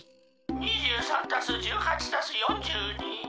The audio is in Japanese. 「２３＋１８＋４２」。